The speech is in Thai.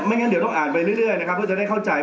งั้นเดี๋ยวต้องอ่านไปเรื่อยนะครับเพื่อจะได้เข้าใจ